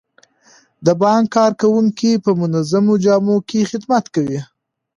د بانک کارکوونکي په منظمو جامو کې خدمت کوي.